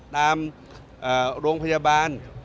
ตามโรงพยาบาล